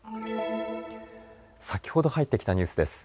先ほど入ってきたニュースです。